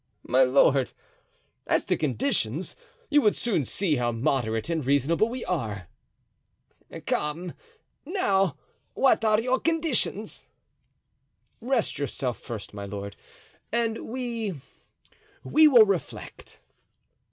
"Ah, my lord! as to conditions, you would soon see how moderate and reasonable we are!" "Come, now, what are your conditions?" "Rest yourself first, my lord, and we—we will reflect."